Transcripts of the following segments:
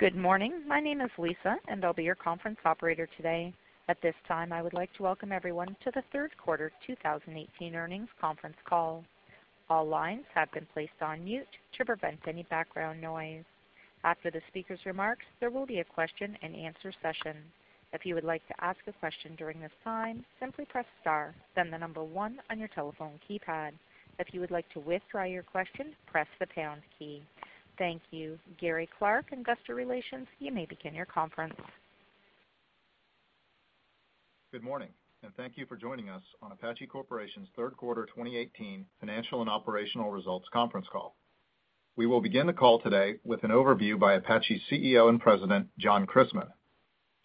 Good morning. My name is Lisa, and I'll be your conference operator today. At this time, I would like to welcome everyone to the third quarter 2018 earnings conference call. All lines have been placed on mute to prevent any background noise. After the speaker's remarks, there will be a question and answer session. If you would like to ask a question during this time, simply press star, then the number one on your telephone keypad. If you would like to withdraw your question, press the pound key. Thank you. Gary Clark, Investor Relations, you may begin your conference. Good morning. Thank you for joining us on Apache Corporation's third quarter 2018 financial and operational results conference call. We will begin the call today with an overview by Apache's CEO and President, John Christmann.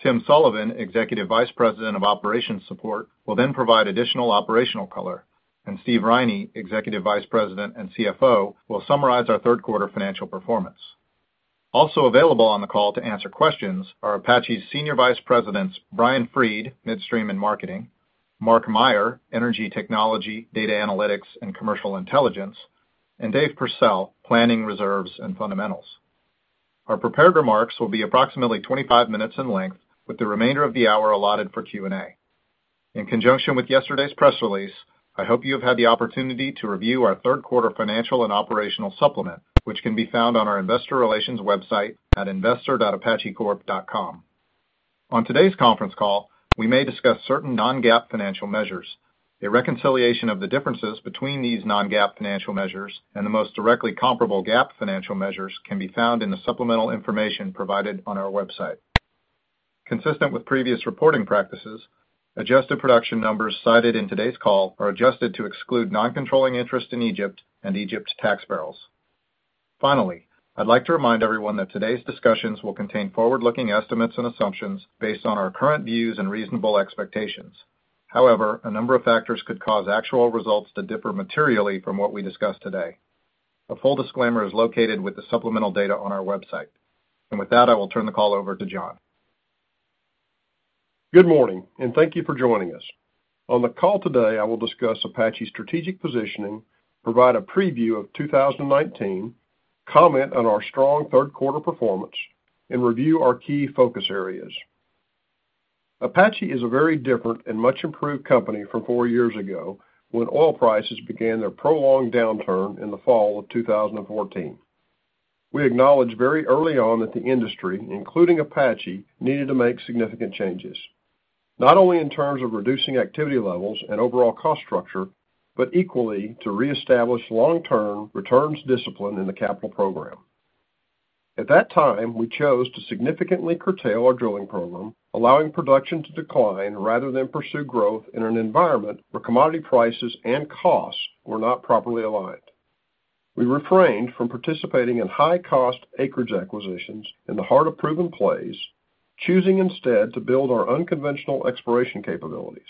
Tim Sullivan, Executive Vice President of Operations Support, will then provide additional operational color, and Steve Riney, Executive Vice President and CFO, will summarize our third quarter financial performance. Also available on the call to answer questions are Apache's Senior Vice Presidents, Brian Freed, Midstream and Marketing, Mark Meyer, Energy Technology, Data Analytics, and Commercial Intelligence, and Dave Pursell, Planning, Reserves and Fundamentals. Our prepared remarks will be approximately 25 minutes in length, with the remainder of the hour allotted for Q&A. In conjunction with yesterday's press release, I hope you have had the opportunity to review our third quarter financial and operational supplement, which can be found on our investor relations website at investor.apachecorp.com. On today's conference call, we may discuss certain non-GAAP financial measures. A reconciliation of the differences between these non-GAAP financial measures and the most directly comparable GAAP financial measures can be found in the supplemental information provided on our website. Consistent with previous reporting practices, adjusted production numbers cited in today's call are adjusted to exclude non-controlling interest in Egypt and Egypt's tax barrels. Finally, I'd like to remind everyone that today's discussions will contain forward-looking estimates and assumptions based on our current views and reasonable expectations. However, a number of factors could cause actual results to differ materially from what we discuss today. A full disclaimer is located with the supplemental data on our website. With that, I will turn the call over to John. Good morning, thank you for joining us. On the call today, I will discuss Apache's strategic positioning, provide a preview of 2019, comment on our strong third quarter performance, and review our key focus areas. Apache is a very different and much-improved company from four years ago when oil prices began their prolonged downturn in the fall of 2014. We acknowledged very early on that the industry, including Apache, needed to make significant changes, not only in terms of reducing activity levels and overall cost structure, but equally to reestablish long-term returns discipline in the capital program. At that time, we chose to significantly curtail our drilling program, allowing production to decline rather than pursue growth in an environment where commodity prices and costs were not properly aligned. We refrained from participating in high-cost acreage acquisitions in the heart of proven plays, choosing instead to build our unconventional exploration capabilities.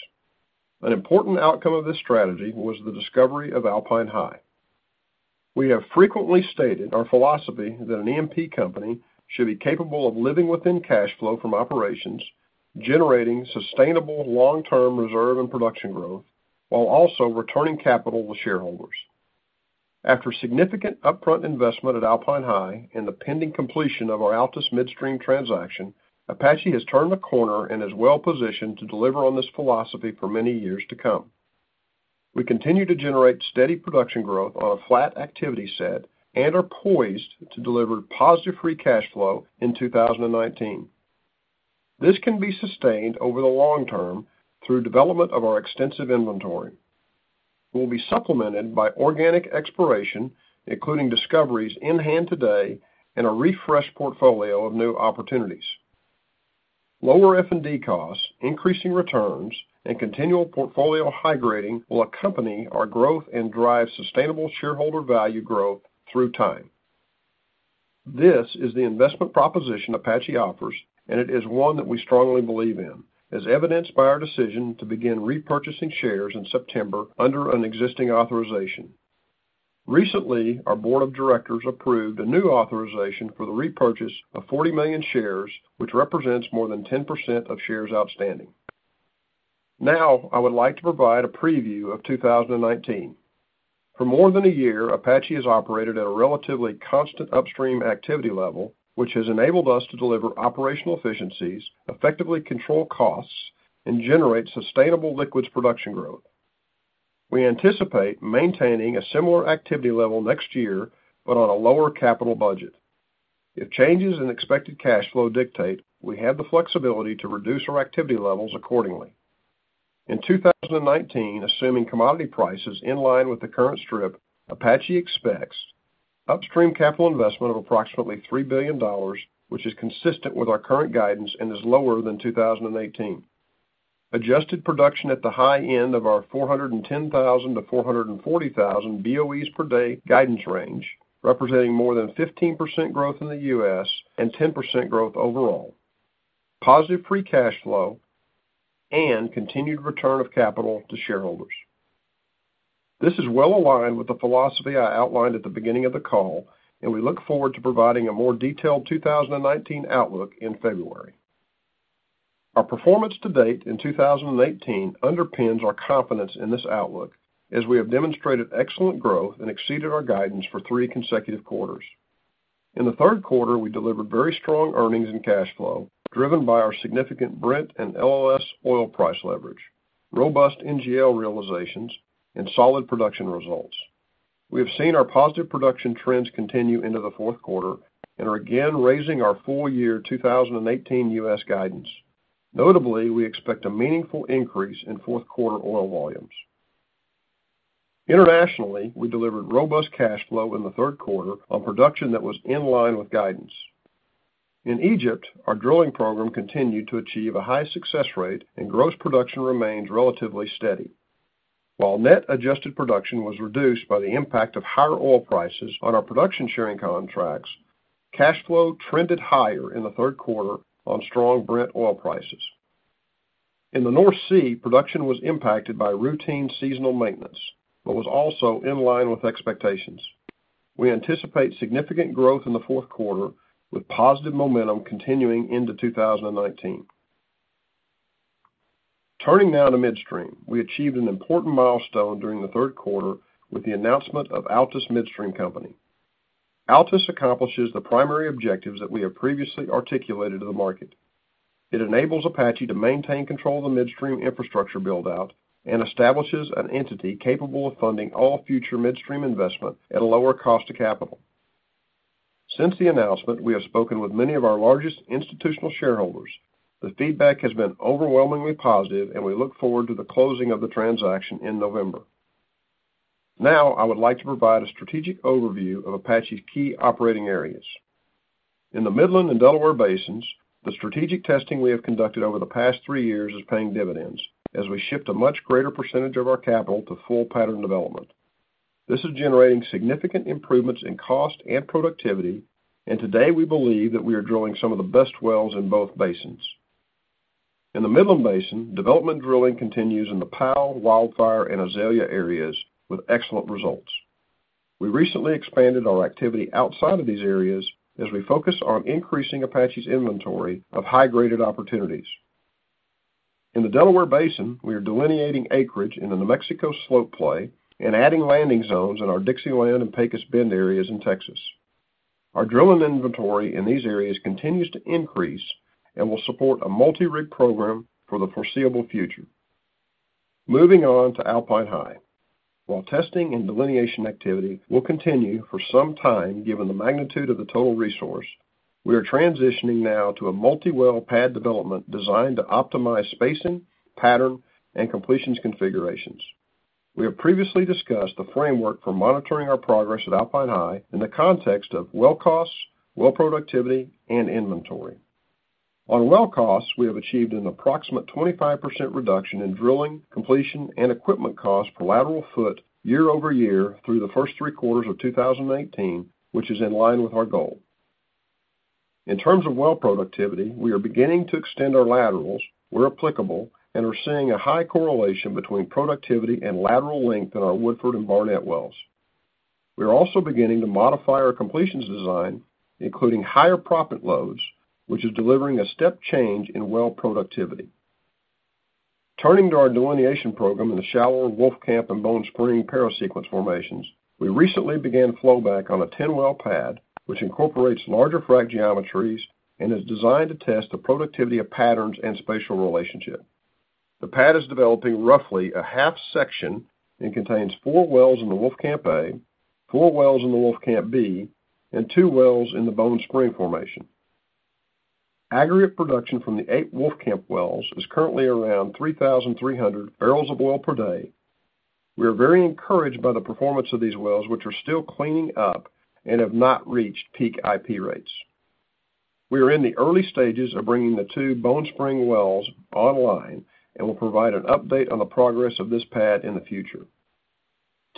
An important outcome of this strategy was the discovery of Alpine High. We have frequently stated our philosophy that an E&P company should be capable of living within cash flow from operations, generating sustainable long-term reserve and production growth, while also returning capital to shareholders. After significant upfront investment at Alpine High and the pending completion of our Altus Midstream transaction, Apache has turned the corner and is well positioned to deliver on this philosophy for many years to come. We continue to generate steady production growth on a flat activity set and are poised to deliver positive free cash flow in 2019. This can be sustained over the long term through development of our extensive inventory. We'll be supplemented by organic exploration, including discoveries in hand today and a refreshed portfolio of new opportunities. Lower F&D costs, increasing returns, and continual portfolio high grading will accompany our growth and drive sustainable shareholder value growth through time. This is the investment proposition Apache offers, it is one that we strongly believe in, as evidenced by our decision to begin repurchasing shares in September under an existing authorization. Recently, our board of directors approved a new authorization for the repurchase of 40 million shares, which represents more than 10% of shares outstanding. Now, I would like to provide a preview of 2019. For more than a year, Apache has operated at a relatively constant upstream activity level, which has enabled us to deliver operational efficiencies, effectively control costs, and generate sustainable liquids production growth. We anticipate maintaining a similar activity level next year, on a lower capital budget. If changes in expected cash flow dictate, we have the flexibility to reduce our activity levels accordingly. In 2019, assuming commodity prices in line with the current strip, Apache expects upstream capital investment of approximately $3 billion, which is consistent with our current guidance and is lower than 2018. Adjusted production at the high end of our 410,000 to 440,000 BOEs per day guidance range, representing more than 15% growth in the U.S. and 10% growth overall. Positive free cash flow and continued return of capital to shareholders. This is well aligned with the philosophy I outlined at the beginning of the call, we look forward to providing a more detailed 2019 outlook in February. Our performance to date in 2018 underpins our confidence in this outlook, as we have demonstrated excellent growth and exceeded our guidance for three consecutive quarters. In the third quarter, we delivered very strong earnings and cash flow, driven by our significant Brent and LLS oil price leverage, robust NGL realizations, and solid production results. We have seen our positive production trends continue into the fourth quarter and are again raising our full year 2018 U.S. guidance. Notably, we expect a meaningful increase in fourth quarter oil volumes. Internationally, we delivered robust cash flow in the third quarter on production that was in line with guidance. In Egypt, our drilling program continued to achieve a high success rate and gross production remains relatively steady. While net adjusted production was reduced by the impact of higher oil prices on our production sharing contracts, cash flow trended higher in the third quarter on strong Brent oil prices. In the North Sea, production was impacted by routine seasonal maintenance but was also in line with expectations. We anticipate significant growth in the fourth quarter with positive momentum continuing into 2019. Turning now to midstream. We achieved an important milestone during the third quarter with the announcement of Altus Midstream Company. Altus accomplishes the primary objectives that we have previously articulated to the market. It enables Apache to maintain control of the midstream infrastructure build-out and establishes an entity capable of funding all future midstream investment at a lower cost of capital. Since the announcement, we have spoken with many of our largest institutional shareholders. The feedback has been overwhelmingly positive, and we look forward to the closing of the transaction in November. Now, I would like to provide a strategic overview of Apache's key operating areas. In the Midland and Delaware basins, the strategic testing we have conducted over the past three years is paying dividends as we shift a much greater percentage of our capital to full pattern development. This is generating significant improvements in cost and productivity, and today we believe that we are drilling some of the best wells in both basins. In the Midland Basin, development drilling continues in the Powell, Wildfire, and Azalea areas with excellent results. We recently expanded our activity outside of these areas as we focus on increasing Apache's inventory of high-graded opportunities. In the Delaware Basin, we are delineating acreage in the New Mexico slope play and adding landing zones in our Dixieland and Pecos Bend areas in Texas. Our drilling inventory in these areas continues to increase and will support a multi-rig program for the foreseeable future. Moving on to Alpine High. While testing and delineation activity will continue for some time given the magnitude of the total resource, we are transitioning now to a multi-well pad development designed to optimize spacing, pattern, and completions configurations. We have previously discussed the framework for monitoring our progress at Alpine High in the context of well costs, well productivity, and inventory. On well costs, we have achieved an approximate 25% reduction in drilling, completion, and equipment cost per lateral foot year over year through the first three quarters of 2018, which is in line with our goal. In terms of well productivity, we are beginning to extend our laterals, where applicable, and are seeing a high correlation between productivity and lateral length in our Woodford and Barnett wells. We are also beginning to modify our completions design, including higher proppant loads, which is delivering a step change in well productivity. Turning to our delineation program in the shallow Wolfcamp and Bone Spring parasequence formations. We recently began flowback on a 10-well pad, which incorporates larger frack geometries and is designed to test the productivity of patterns and spatial relationship. The pad is developing roughly a half section and contains four wells in the Wolfcamp A, four wells in the Wolfcamp B, and two wells in the Bone Spring formation. Aggregate production from the eight Wolfcamp wells is currently around 3,300 barrels of oil per day. We are very encouraged by the performance of these wells, which are still cleaning up and have not reached peak IP rates. We are in the early stages of bringing the two Bone Spring wells online and will provide an update on the progress of this pad in the future.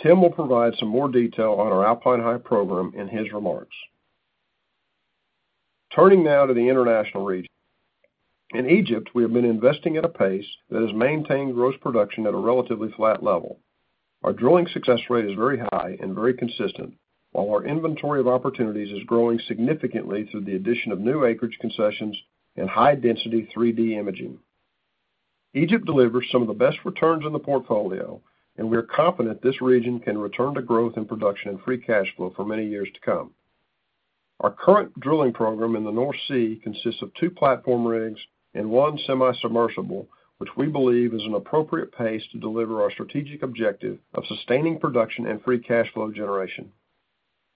Tim will provide some more detail on our Alpine High program in his remarks. Turning now to the international region. In Egypt, we have been investing at a pace that has maintained gross production at a relatively flat level. Our drilling success rate is very high and very consistent, while our inventory of opportunities is growing significantly through the addition of new acreage concessions and high-density 3D imaging. Egypt delivers some of the best returns in the portfolio. We are confident this region can return to growth in production and free cash flow for many years to come. Our current drilling program in the North Sea consists of two platform rigs and one semi-submersible, which we believe is an appropriate pace to deliver our strategic objective of sustaining production and free cash flow generation.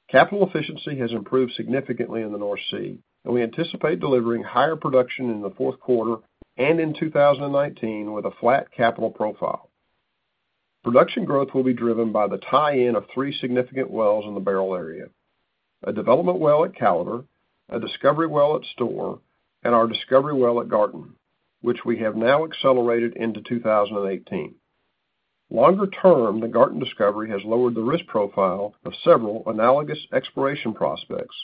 Capital efficiency has improved significantly in the North Sea. We anticipate delivering higher production in the fourth quarter and in 2019 with a flat capital profile. Production growth will be driven by the tie-in of three significant wells in the Beryl area, a development well at Callater, a discovery well at Storr, and our discovery well at Garten, which we have now accelerated into 2018. Longer term, the Garten discovery has lowered the risk profile of several analogous exploration prospects,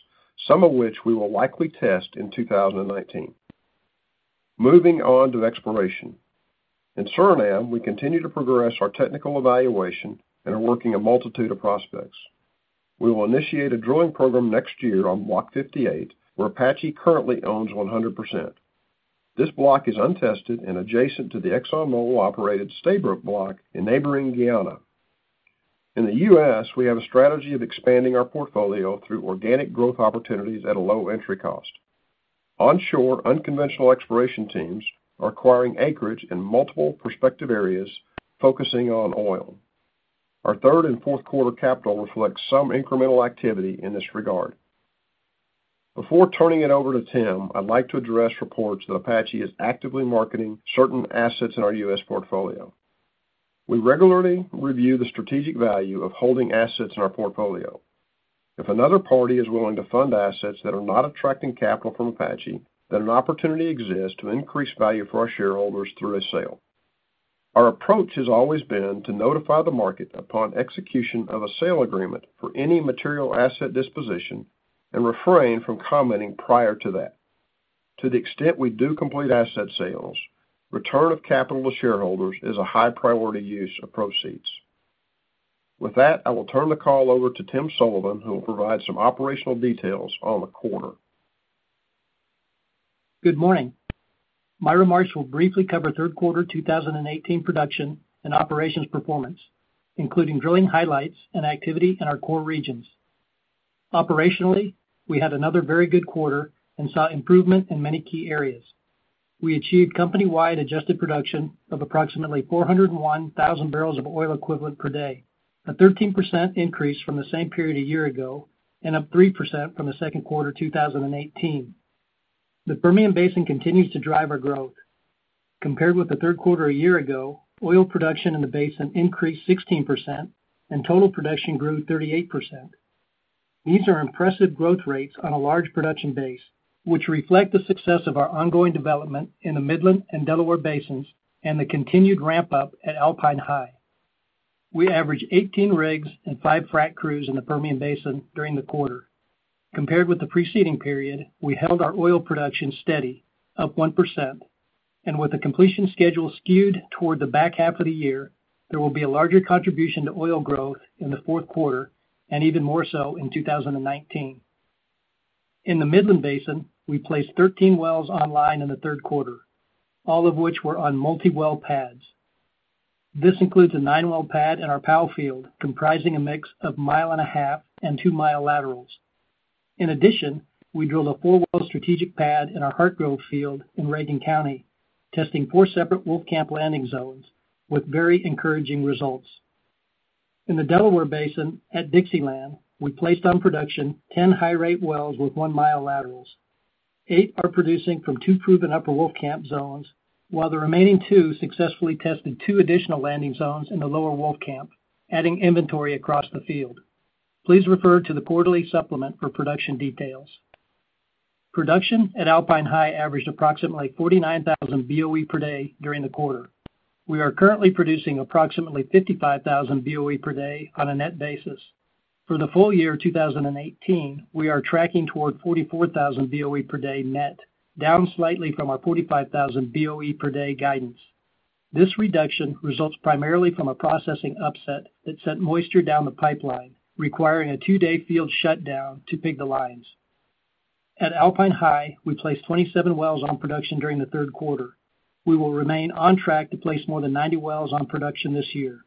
some of which we will likely test in 2019. Moving on to exploration. In Suriname, we continue to progress our technical evaluation and are working a multitude of prospects. We will initiate a drilling program next year on Block 58, where Apache currently owns 100%. This block is untested and adjacent to the ExxonMobil-operated Stabroek Block in neighboring Guyana. In the U.S., we have a strategy of expanding our portfolio through organic growth opportunities at a low entry cost. Onshore unconventional exploration teams are acquiring acreage in multiple prospective areas, focusing on oil. Our third and fourth quarter capital reflects some incremental activity in this regard. Before turning it over to Tim, I'd like to address reports that Apache is actively marketing certain assets in our U.S. portfolio. We regularly review the strategic value of holding assets in our portfolio. If another party is willing to fund assets that are not attracting capital from Apache, then an opportunity exists to increase value for our shareholders through a sale. Our approach has always been to notify the market upon execution of a sale agreement for any material asset disposition and refrain from commenting prior to that. To the extent we do complete asset sales, return of capital to shareholders is a high priority use of proceeds. With that, I will turn the call over to Tim Sullivan, who will provide some operational details on the quarter. Good morning. My remarks will briefly cover third quarter 2018 production and operations performance, including drilling highlights and activity in our core regions. Operationally, we had another very good quarter and saw improvement in many key areas. We achieved company-wide adjusted production of approximately 401,000 barrels of oil equivalent per day, a 13% increase from the same period a year ago, and up 3% from the second quarter 2018. The Permian Basin continues to drive our growth. Compared with the third quarter a year ago, oil production in the basin increased 16%, and total production grew 38%. These are impressive growth rates on a large production base, which reflect the success of our ongoing development in the Midland and Delaware Basins and the continued ramp-up at Alpine High. We averaged 18 rigs and five frac crews in the Permian Basin during the quarter. Compared with the preceding period, we held our oil production steady, up 1%. With the completion schedule skewed toward the back half of the year, there will be a larger contribution to oil growth in the fourth quarter and even more so in 2019. In the Midland Basin, we placed 13 wells online in the third quarter, all of which were on multi-well pads. This includes a nine-well pad in our Powell Field, comprising a mix of mile-and-a-half and two-mile laterals. We drilled a four-well strategic pad in our Heartstrong field in Reagan County, testing four separate Wolfcamp landing zones with very encouraging results. In the Delaware Basin at Dixieland, we placed on production 10 high-rate wells with one-mile laterals. Eight are producing from two proven Upper Wolfcamp zones, while the remaining two successfully tested two additional landing zones in the Lower Wolfcamp, adding inventory across the field. Please refer to the quarterly supplement for production details. Production at Alpine High averaged approximately 49,000 BOE per day during the quarter. We are currently producing approximately 55,000 BOE per day on a net basis. For the full year 2018, we are tracking toward 44,000 BOE per day net, down slightly from our 45,000 BOE per day guidance. This reduction results primarily from a processing upset that sent moisture down the pipeline, requiring a two-day field shutdown to pig the lines. At Alpine High, we placed 27 wells on production during the third quarter. We will remain on track to place more than 90 wells on production this year.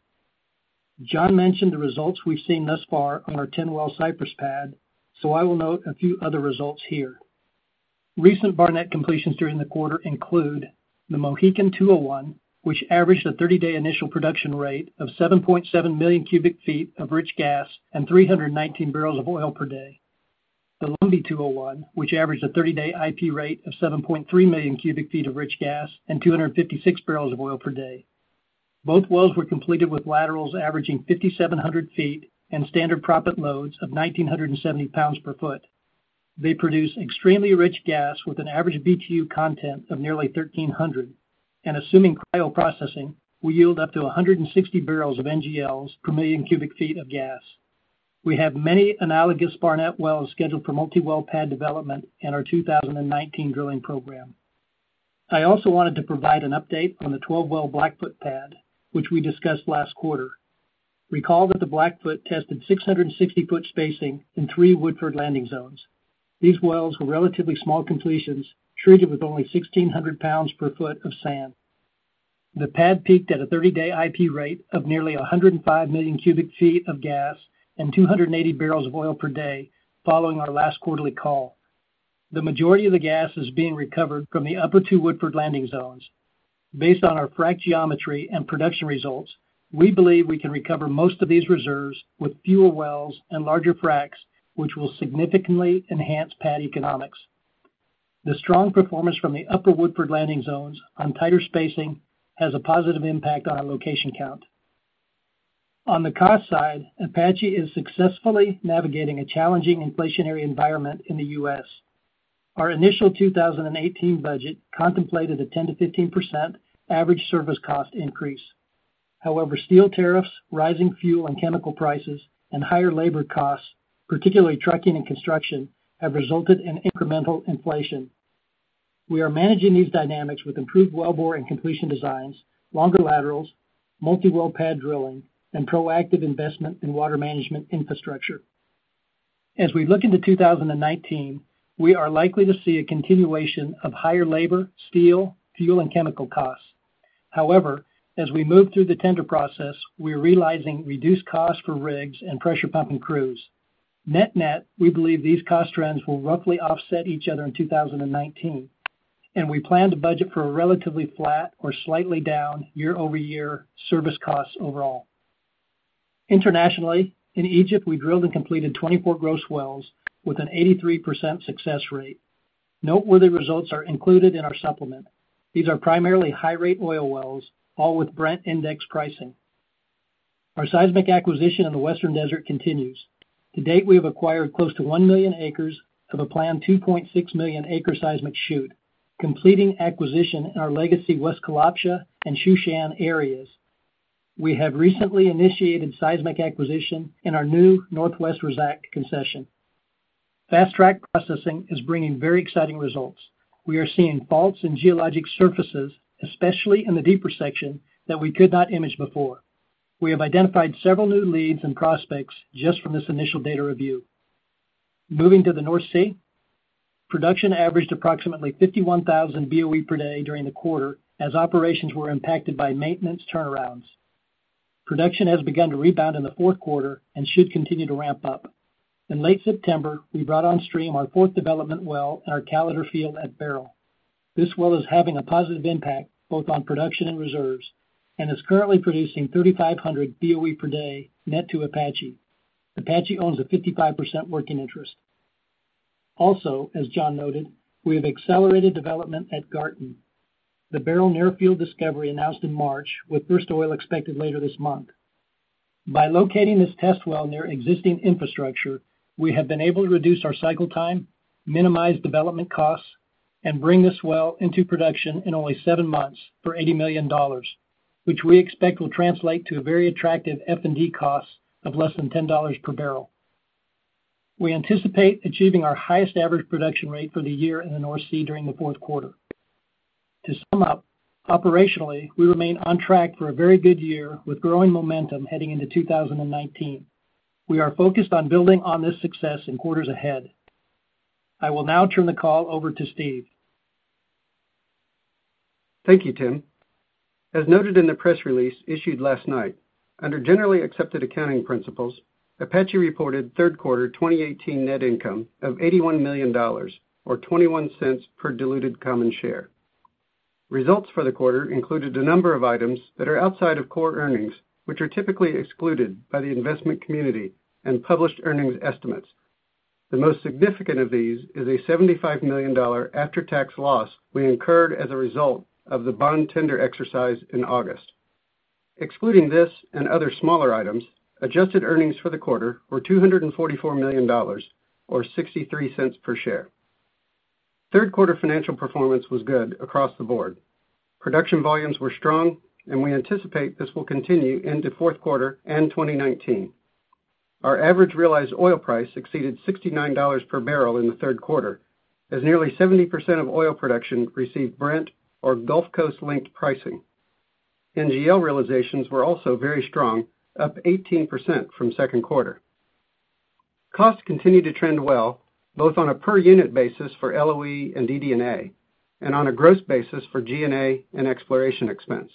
John mentioned the results we've seen thus far on our 10-well Cypress pad. I will note a few other results here. Recent Barnett completions during the quarter include the Mohican 201, which averaged a 30-day initial production rate of 7.7 million cubic feet of rich gas and 319 barrels of oil per day. The Lundy 201, which averaged a 30-day IP rate of 7.3 million cubic feet of rich gas and 256 barrels of oil per day. Both wells were completed with laterals averaging 5,700 feet and standard proppant loads of 1,970 pounds per foot. They produce extremely rich gas with an average BTU content of nearly 1,300, and assuming cryogenic processing, will yield up to 160 barrels of NGLs per million cubic feet of gas. We have many analogous Barnett wells scheduled for multi-well pad development in our 2019 drilling program. I also wanted to provide an update on the 12-well Blackfoot pad, which we discussed last quarter. Recall that the Blackfoot tested 660-foot spacing in three Woodford landing zones. These wells were relatively small completions, treated with only 1,600 pounds per foot of sand. The pad peaked at a 30-day IP rate of nearly 105 million cubic feet of gas and 280 barrels of oil per day following our last quarterly call. The majority of the gas is being recovered from the upper two Woodford landing zones. Based on our frac geometry and production results, we believe we can recover most of these reserves with fewer wells and larger fracs, which will significantly enhance pad economics. The strong performance from the upper Woodford landing zones on tighter spacing has a positive impact on our location count. On the cost side, Apache is successfully navigating a challenging inflationary environment in the U.S. Our initial 2018 budget contemplated a 10%-15% average service cost increase. However, steel tariffs, rising fuel and chemical prices, and higher labor costs, particularly trucking and construction, have resulted in incremental inflation. We are managing these dynamics with improved wellbore and completion designs, longer laterals, multi-well pad drilling, and proactive investment in water management infrastructure. As we look into 2019, we are likely to see a continuation of higher labor, steel, fuel, and chemical costs. However, as we move through the tender process, we're realizing reduced costs for rigs and pressure pumping crews. Net net, we believe these cost trends will roughly offset each other in 2019. We plan to budget for a relatively flat or slightly down year-over-year service costs overall. Internationally, in Egypt, we drilled and completed 24 gross wells with an 83% success rate. Noteworthy results are included in our supplement. These are primarily high-rate oil wells, all with Brent index pricing. Our seismic acquisition in the Western Desert continues. To date, we have acquired close to 1 million acres of a planned 2.6 million acre seismic shoot, completing acquisition in our legacy West Kalabsha and Shushan areas. We have recently initiated seismic acquisition in our new Northwest Razzak concession. Fast-track processing is bringing very exciting results. We are seeing faults in geologic surfaces, especially in the deeper section, that we could not image before. We have identified several new leads and prospects just from this initial data review. Moving to the North Sea, production averaged approximately 51,000 BOE per day during the quarter as operations were impacted by maintenance turnarounds. Production has begun to rebound in the fourth quarter and should continue to ramp up. In late September, we brought on stream our fourth development well in our Callater field at Beryl. This well is having a positive impact both on production and reserves, and is currently producing 3,500 BOE per day net to Apache. Apache owns a 55% working interest. As John noted, we have accelerated development at Garten. The Beryl near field discovery announced in March with first oil expected later this month. By locating this test well near existing infrastructure, we have been able to reduce our cycle time, minimize development costs, and bring this well into production in only seven months for $80 million, which we expect will translate to a very attractive F&D cost of less than $10 per barrel. To sum up, operationally, we remain on track for a very good year with growing momentum heading into 2019. We are focused on building on this success in quarters ahead. I will now turn the call over to Steve. Thank you, Tim. As noted in the press release issued last night, under generally accepted accounting principles, Apache reported third quarter 2018 net income of $81 million, or $0.21 per diluted common share. Results for the quarter included a number of items that are outside of core earnings, which are typically excluded by the investment community and published earnings estimates. The most significant of these is a $75 million after-tax loss we incurred as a result of the bond tender exercise in August. Excluding this and other smaller items, adjusted earnings for the quarter were $244 million, or $0.63 per share. Third quarter financial performance was good across the board. Production volumes were strong, and we anticipate this will continue into fourth quarter and 2019. Our average realized oil price exceeded $69 per barrel in the third quarter, as nearly 70% of oil production received Brent or Gulf Coast-linked pricing. NGL realizations were also very strong, up 18% from second quarter. Costs continue to trend well, both on a per unit basis for LOE and DD&A, and on a gross basis for G&A and exploration expense.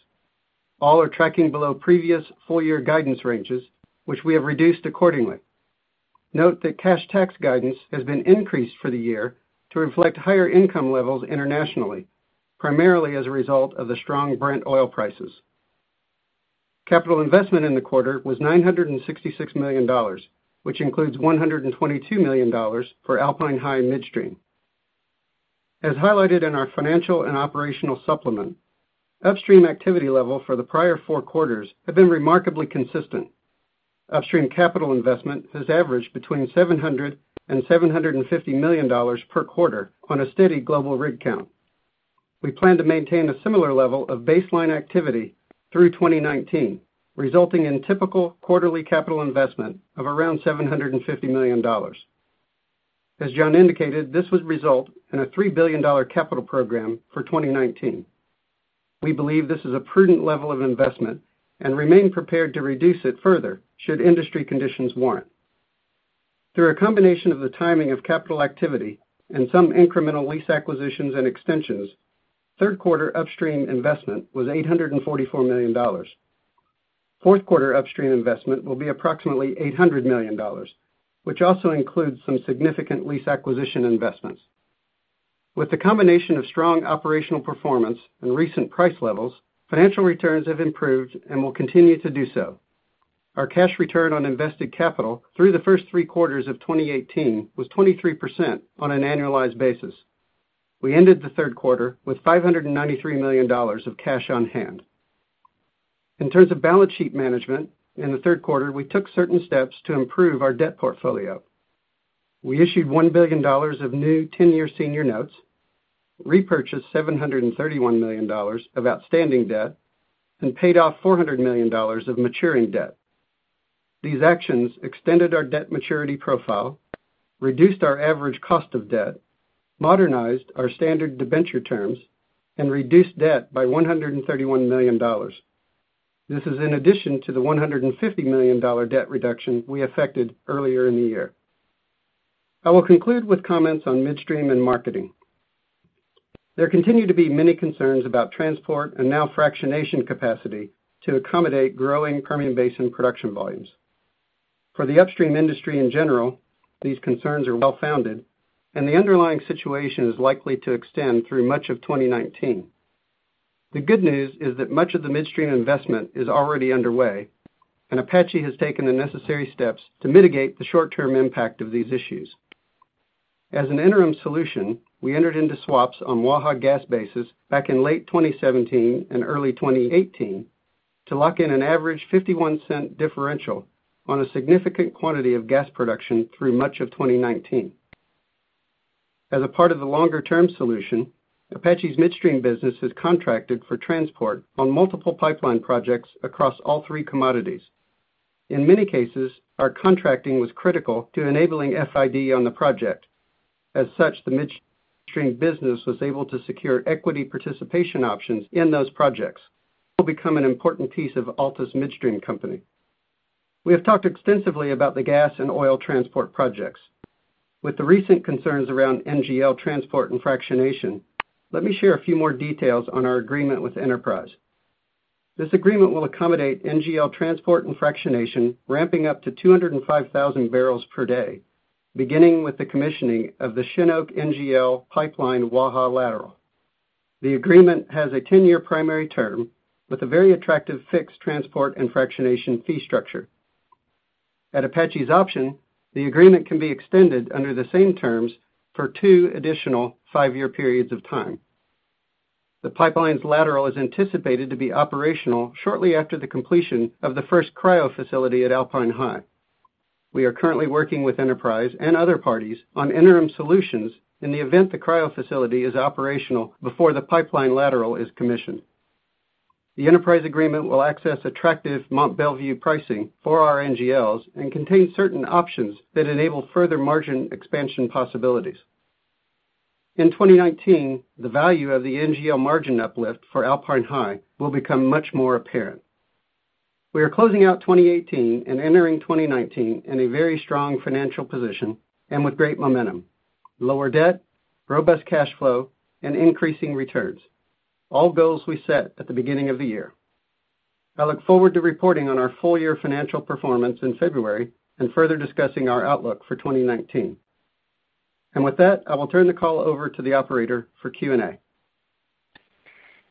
All are tracking below previous full year guidance ranges, which we have reduced accordingly. Note that cash tax guidance has been increased for the year to reflect higher income levels internationally, primarily as a result of the strong Brent oil prices. Capital investment in the quarter was $966 million, which includes $122 million for Alpine High and Midstream. As highlighted in our financial and operational supplement, upstream activity level for the prior four quarters have been remarkably consistent. Upstream capital investment has averaged between $700 million and $750 million per quarter on a steady global rig count. We plan to maintain a similar level of baseline activity through 2019, resulting in typical quarterly capital investment of around $750 million. As John indicated, this would result in a $3 billion capital program for 2019. We believe this is a prudent level of investment and remain prepared to reduce it further should industry conditions warrant. Through a combination of the timing of capital activity and some incremental lease acquisitions and extensions, third quarter upstream investment was $844 million. Fourth quarter upstream investment will be approximately $800 million, which also includes some significant lease acquisition investments. With the combination of strong operational performance and recent price levels, financial returns have improved and will continue to do so. Our cash return on invested capital through the first three quarters of 2018 was 23% on an annualized basis. We ended the third quarter with $593 million of cash on hand. In terms of balance sheet management, in the third quarter, we took certain steps to improve our debt portfolio. We issued $1 billion of new 10-year senior notes, repurchased $731 million of outstanding debt, and paid off $400 million of maturing debt. These actions extended our debt maturity profile, reduced our average cost of debt, modernized our standard debenture terms, and reduced debt by $131 million. This is in addition to the $150 million debt reduction we effected earlier in the year. I will conclude with comments on midstream and marketing. There continue to be many concerns about transport and now fractionation capacity to accommodate growing Permian Basin production volumes. For the upstream industry in general, these concerns are well-founded, and the underlying situation is likely to extend through much of 2019. The good news is that much of the midstream investment is already underway, and Apache has taken the necessary steps to mitigate the short-term impact of these issues. As an interim solution, we entered into swaps on Waha gas bases back in late 2017 and early 2018 to lock in an average $0.51 differential on a significant quantity of gas production through much of 2019. As a part of the longer-term solution, Apache's midstream business has contracted for transport on multiple pipeline projects across all three commodities. In many cases, our contracting was critical to enabling FID on the project. As such, the midstream business was able to secure equity participation options in those projects. This will become an important piece of Altus Midstream Company. We have talked extensively about the gas and oil transport projects. With the recent concerns around NGL transport and fractionation, let me share a few more details on our agreement with Enterprise. This agreement will accommodate NGL transport and fractionation ramping up to 205,000 barrels per day, beginning with the commissioning of the Chinook NGL pipeline Waha lateral. The agreement has a 10-year primary term with a very attractive fixed transport and fractionation fee structure. At Apache's option, the agreement can be extended under the same terms for two additional five-year periods of time. The pipeline's lateral is anticipated to be operational shortly after the completion of the first cryo facility at Alpine High. We are currently working with Enterprise and other parties on interim solutions in the event the cryo facility is operational before the pipeline lateral is commissioned. The Enterprise agreement will access attractive Mont Belvieu pricing for our NGLs and contains certain options that enable further margin expansion possibilities. In 2019, the value of the NGL margin uplift for Alpine High will become much more apparent. We are closing out 2018 and entering 2019 in a very strong financial position and with great momentum: lower debt, robust cash flow, and increasing returns. All goals we set at the beginning of the year. I look forward to reporting on our full-year financial performance in February and further discussing our outlook for 2019. With that, I will turn the call over to the operator for Q&A.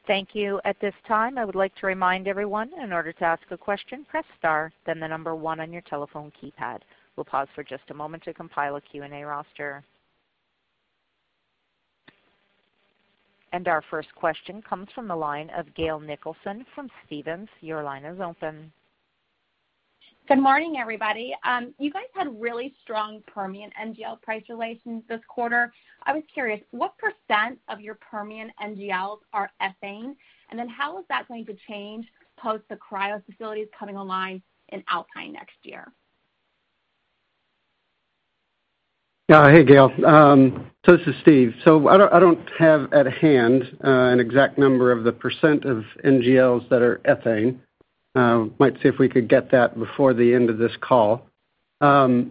Thank you. At this time, I would like to remind everyone, in order to ask a question, press star, then the number 1 on your telephone keypad. We'll pause for just a moment to compile a Q&A roster. Our first question comes from the line of Gail Nicholson from Stephens. Your line is open. Good morning, everybody. You guys had really strong Permian NGL price realizations this quarter. I was curious, what % of your Permian NGLs are ethane? How is that going to change post the cryogenic facilities coming online in Alpine next year? Hey, Gail. This is Steve. I don't have at hand an exact number of the % of NGLs that are ethane. Might see if we could get that before the end of this call. That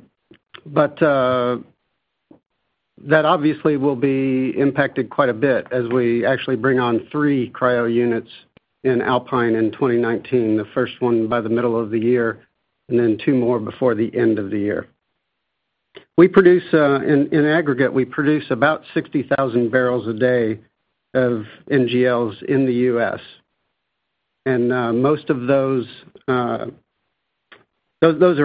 obviously will be impacted quite a bit as we actually bring on three cryogenic units in Alpine in 2019, the first one by the middle of the year, then two more before the end of the year. In aggregate, we produce about 60,000 barrels a day of NGLs in the U.S., most of those are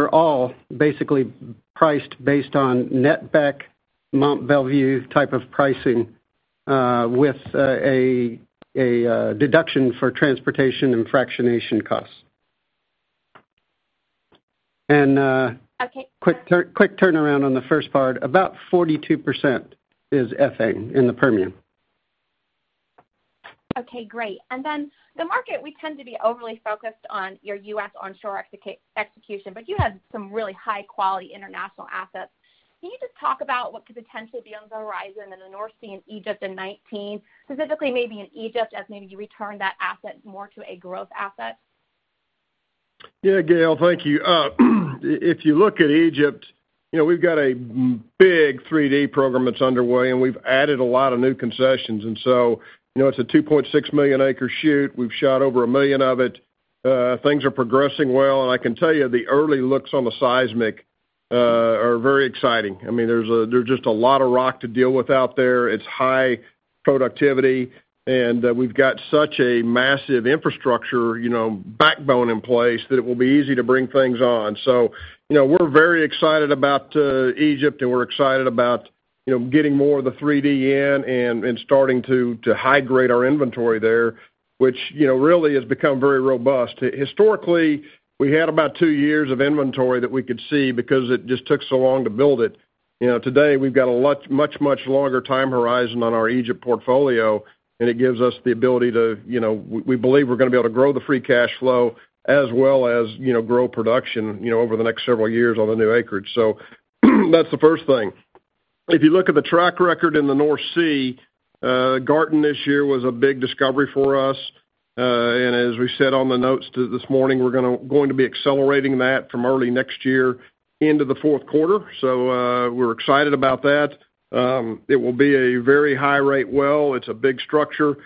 all basically priced based on net back Mont Belvieu type of pricing with a deduction for transportation and fractionation costs. Okay. Quick turnaround on the first part. About 42% is ethane in the Permian. Okay, great. The market, we tend to be overly focused on your U.S. onshore execution, but you have some really high-quality international assets. Can you just talk about what could potentially be on the horizon in the North Sea and Egypt in 2019, specifically maybe in Egypt as maybe you return that asset more to a growth asset? Yeah, Gail, thank you. If you look at Egypt, we've got a big 3D program that's underway, we've added a lot of new concessions, it's a 2.6-million-acre shoot. We've shot over a million of it. Things are progressing well, and I can tell you, the early looks on the seismic are very exciting. There's just a lot of rock to deal with out there. It's high productivity, and we've got such a massive infrastructure backbone in place that it will be easy to bring things on. We're very excited about Egypt, and we're excited about getting more of the 3D in and starting to hydrate our inventory there, which really has become very robust. Historically, we had about two years of inventory that we could see because it just took so long to build it. Today, we've got a much, much longer time horizon on our Egypt portfolio, and it gives us the ability to We believe we're going to be able to grow the free cash flow as well as grow production over the next several years on the new acreage. That's the first thing. If you look at the track record in the North Sea, Garten this year was a big discovery for us. As we said on the notes this morning, we're going to be accelerating that from early next year into the fourth quarter. We're excited about that. It will be a very high-rate well. It's a big structure.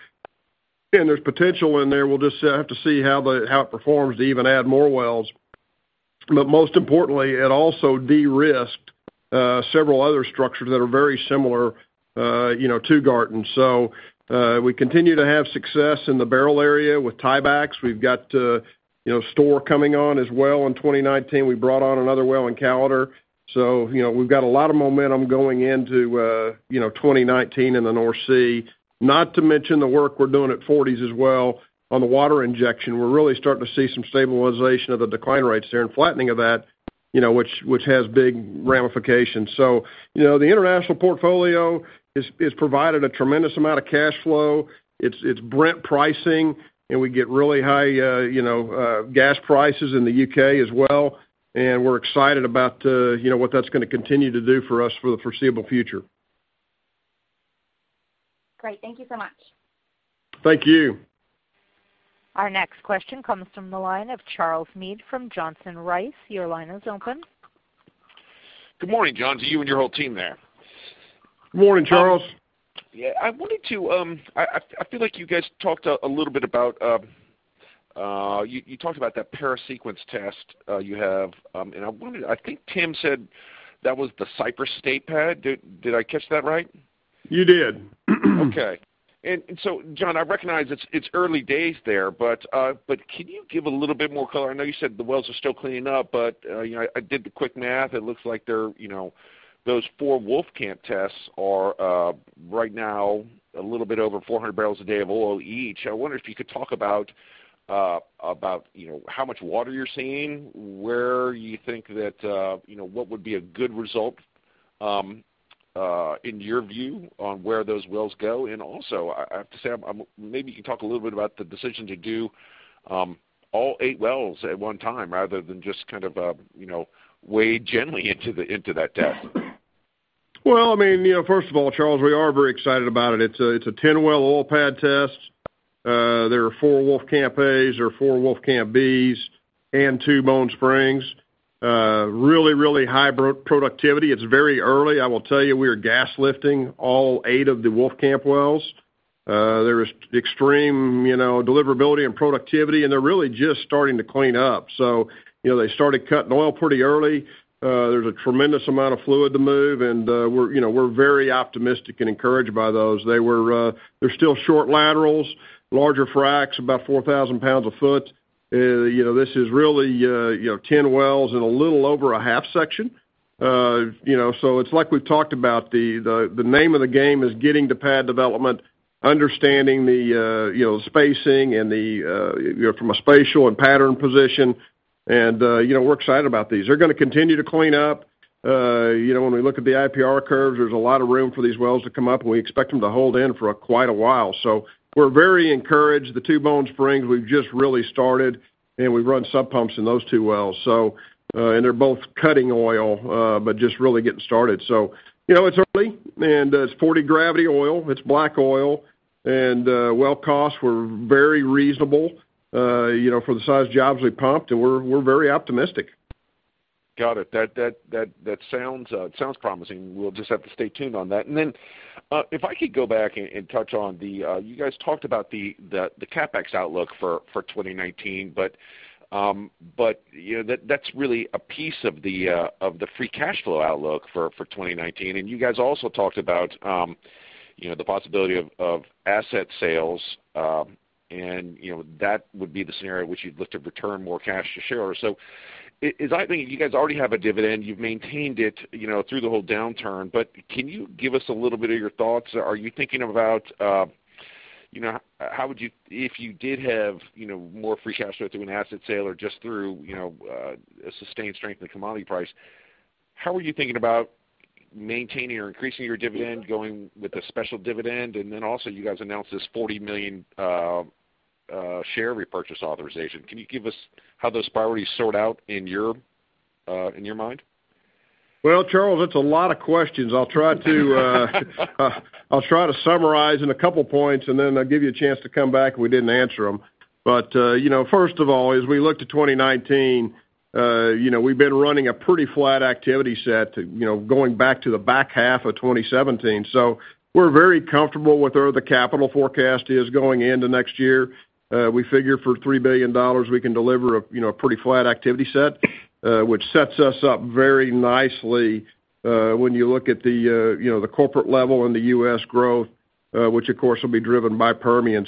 There's potential in there. We'll just have to see how it performs to even add more wells. Most importantly, it also de-risked several other structures that are very similar to Garten. We continue to have success in the Beryl area with tiebacks. We've got Storr coming on as well in 2019. We brought on another well in Callater. We've got a lot of momentum going into 2019 in the North Sea, not to mention the work we're doing at Forties as well on the water injection. We're really starting to see some stabilization of the decline rates there and flattening of that, which has big ramifications. The international portfolio has provided a tremendous amount of cash flow. It's Brent pricing, and we get really high gas prices in the U.K. as well. We're excited about what that's going to continue to do for us for the foreseeable future. Great. Thank you so much. Thank you. Our next question comes from the line of Charles Meade from Johnson Rice. Your line is open. Good morning, John, to you and your whole team there. Morning, Charles. I feel like you guys talked a little bit about that parasequence test you have. I think Tim said that was the Cypress State pad. Did I catch that right? You did. Okay. John, I recognize it's early days there, but can you give a little bit more color? I know you said the wells are still cleaning up, but I did the quick math. It looks like those four Wolfcamp tests are right now a little bit over 400 barrels a day of oil each. I wonder if you could talk about how much water you're seeing, what would be a good result, in your view, on where those wells go? Also, I have to say, maybe you can talk a little bit about the decision to do all eight wells at one time rather than just kind of wade gently into that test. Well, first of all, Charles, we are very excited about it. It's a 10-well oil pad test. There are 4 Wolfcamp As, there are 4 Wolfcamp Bs, and two Bone Springs. Really, really high productivity. It's very early. I will tell you, we are gas lifting all eight of the Wolfcamp wells. There is extreme deliverability and productivity, and they're really just starting to clean up. They started cutting oil pretty early. There's a tremendous amount of fluid to move, and we're very optimistic and encouraged by those. They're still short laterals, larger fracs, about 4,000 pounds a foot. This is really 10 wells in a little over a half section. It's like we've talked about, the name of the game is getting to pad development, understanding the spacing from a spatial and pattern position, and we're excited about these. They're going to continue to clean up. When we look at the IPR curves, there's a lot of room for these wells to come up, and we expect them to hold in for quite a while. We're very encouraged. The two Bone Springs, we've just really started, and we've run submersible pumps in those two wells. They're both cutting oil, but just really getting started. It's early, and it's 40-gravity oil. It's black oil. Well costs were very reasonable for the size jobs we pumped, and we're very optimistic. Got it. That sounds promising. We'll just have to stay tuned on that. If I could go back and touch on the You guys talked about the CapEx outlook for 2019, but that's really a piece of the free cash flow outlook for 2019. You guys also talked about the possibility of asset sales, and that would be the scenario which you'd look to return more cash to shareholders. You guys already have a dividend. You've maintained it through the whole downturn, but can you give us a little bit of your thoughts? Are you thinking about if you did have more free cash flow through an asset sale or just through a sustained strength in commodity price, how are you thinking about maintaining or increasing your dividend, going with a special dividend? Also, you guys announced this 40 million share repurchase authorization. Can you give us how those priorities sort out in your mind? Well, Charles, that's a lot of questions. I'll try to summarize in a couple points, then I'll give you a chance to come back if we didn't answer them. First of all, as we look to 2019, we've been running a pretty flat activity set going back to the back half of 2017. We're very comfortable with where the capital forecast is going into next year. We figure for $3 billion, we can deliver a pretty flat activity set, which sets us up very nicely when you look at the corporate level and the U.S. growth, which of course will be driven by Permian.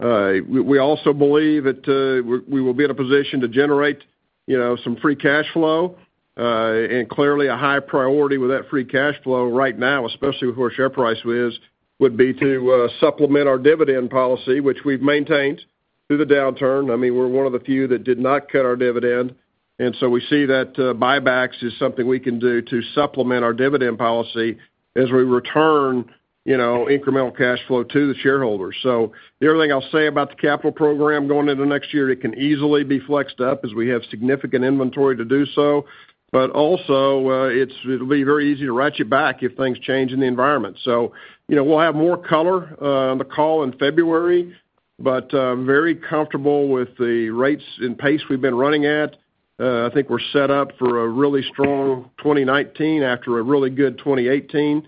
We also believe that we will be in a position to generate some free cash flow, clearly a high priority with that free cash flow right now, especially with where share price is, would be to supplement our dividend policy, which we've maintained through the downturn. We're one of the few that did not cut our dividend. We see that buybacks is something we can do to supplement our dividend policy as we return incremental cash flow to the shareholders. The other thing I'll say about the capital program going into next year, it can easily be flexed up as we have significant inventory to do so. Also, it'll be very easy to ratchet back if things change in the environment. We'll have more color on the call in February, but very comfortable with the rates and pace we've been running at. I think we're set up for a really strong 2019 after a really good 2018.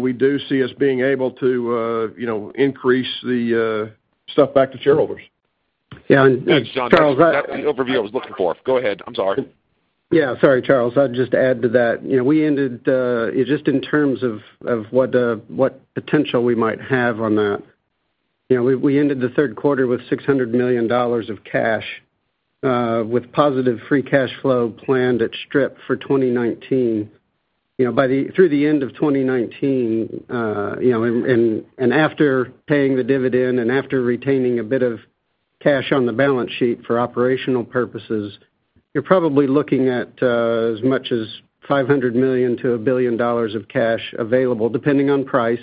We do see us being able to increase the stuff back to shareholders. Yeah, Charles. Thanks, John. That's the overview I was looking for. Go ahead. I'm sorry. Yeah, sorry, Charles. I'd just add to that. Just in terms of what potential we might have on that. We ended the third quarter with $600 million of cash, with positive free cash flow planned at strip for 2019. Through the end of 2019, after paying the dividend and after retaining a bit of cash on the balance sheet for operational purposes, you're probably looking at as much as $500 million-$1 billion of cash available, depending on price,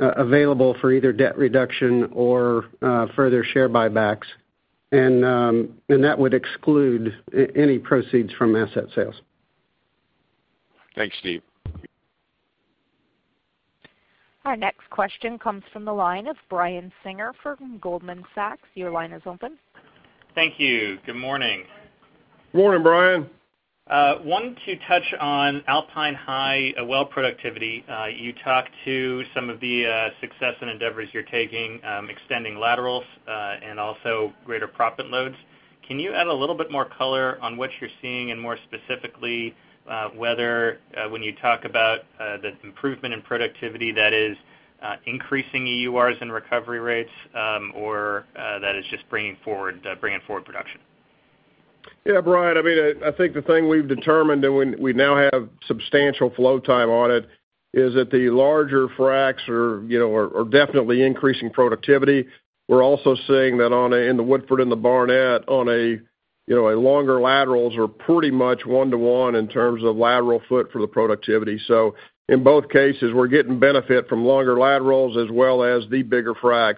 available for either debt reduction or further share buybacks. That would exclude any proceeds from asset sales. Thanks, Steve. Our next question comes from the line of Brian Singer from Goldman Sachs. Your line is open. Thank you. Good morning. Morning, Brian. Wanted to touch on Alpine High well productivity. You talked to some of the success and endeavors you're taking, extending laterals, and also greater proppant loads. Can you add a little bit more color on what you're seeing and more specifically, whether, when you talk about the improvement in productivity that is increasing EURs and recovery rates, or that is just bringing forward production? Yeah, Brian, I think the thing we've determined, and we now have substantial flow time on it, is that the larger fracs are definitely increasing productivity. We're also seeing that in the Woodford and the Barnett on a longer laterals are pretty much one-to-one in terms of lateral foot for the productivity. In both cases, we're getting benefit from longer laterals as well as the bigger fracs.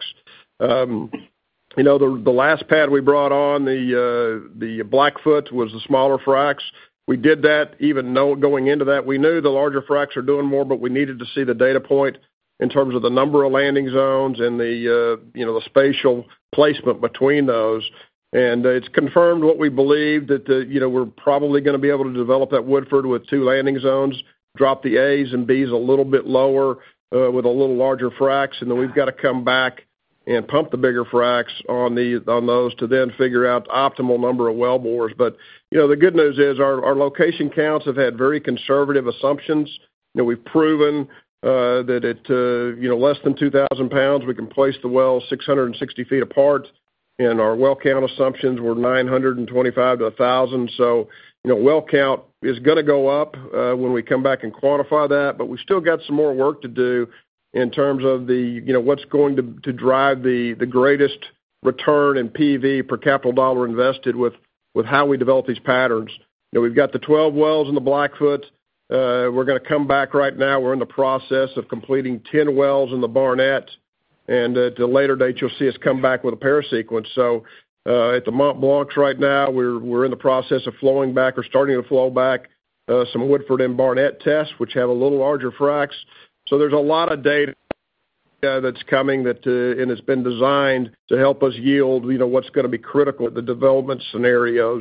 The last pad we brought on, the Blackfoot, was the smaller fracs. We did that, even going into that, we knew the larger fracs are doing more, but we needed to see the data point in terms of the number of landing zones and the spatial placement between those. It's confirmed what we believed, that we're probably going to be able to develop that Woodford with two landing zones, drop the A's and B's a little bit lower, with a little larger fracs. We've got to come back and pump the bigger fracs on those to then figure out the optimal number of wellbores. The good news is our location counts have had very conservative assumptions. We've proven that at less than 2,000 pounds, we can place the well 660 feet apart, and our well count assumptions were 925 to 1,000. Well count is going to go up when we come back and quantify that, but we've still got some more work to do in terms of what's going to drive the greatest return in PV per capital dollar invested with how we develop these patterns. We've got the 12 wells in the Blackfoot. We're going to come back right now. We're in the process of completing 10 wells in the Barnett. At a later date, you'll see us come back with a parasequence. At the Mont Blanc right now, we're in the process of flowing back or starting to flow back some Woodford and Barnett tests, which have a little larger fracs. There's a lot of data that's coming, and it's been designed to help us yield what's going to be critical at the development scenario.